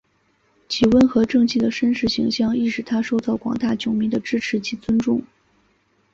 其温和正气的绅士形象亦使他受到广大球迷的支持及尊敬。